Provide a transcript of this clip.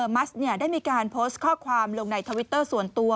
มัสได้มีการโพสต์ข้อความลงในทวิตเตอร์ส่วนตัว